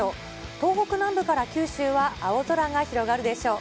東北南部から九州は青空が広がるでしょう。